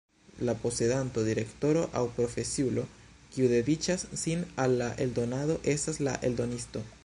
La posedanto, direktoro aŭ profesiulo, kiu dediĉas sin al la eldonado estas la eldonisto.